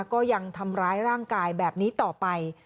ก็ยังทำร้ายร่างกายแบบนี้ต่อไป